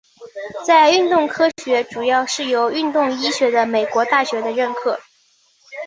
在运动科学主要是由运动医学的美国大学的认可。